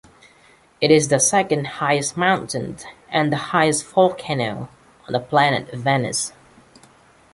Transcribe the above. It is the second-highest mountain, and the highest volcano, on the planet Venus.